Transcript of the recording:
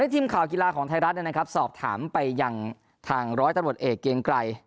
ทีมข่าวกีฬาของไทยรัฐสอบถามไปยังทางร้อยตำรวจเอกเกรงไกร